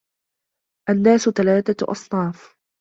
النَّاسُ ثَلَاثَةُ أَصْنَافٍ